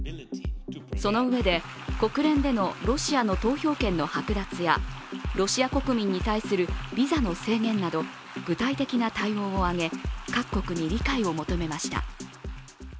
そのうえで、国連でのロシアの投票権の剥奪やロシア国民に対するビザの制限など具体的な対応を挙げ、各国に理解を求めました。